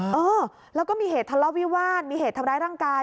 เออแล้วก็มีเหตุทะเลาะวิวาสมีเหตุทำร้ายร่างกาย